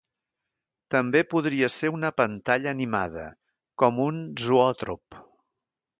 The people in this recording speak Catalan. També podria ser una pantalla animada, com un zoòtrop.